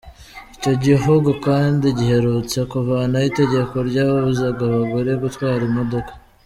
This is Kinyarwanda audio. Icyo gihugu kandi giherutse kuvanaho itegeko ryabuzaga abagore gutwara imodoka.